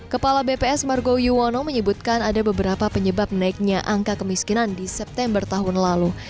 kepala bps margo yuwono menyebutkan ada beberapa penyebab naiknya angka kemiskinan di september tahun lalu